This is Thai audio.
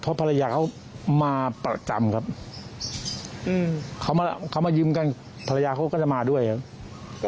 เขามายืมกันภรรยางเขาก็จะมาด้วยครับ